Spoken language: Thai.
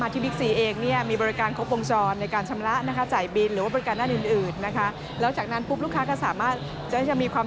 ตอบโจทย์มากขึ้นนะค่ะ